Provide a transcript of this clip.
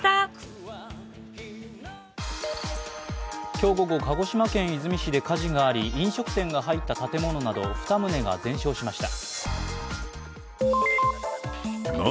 今日午後、鹿児島県出水市で火事があり飲食店が入った建物など２棟が全焼しました。